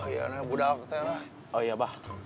ya budak teh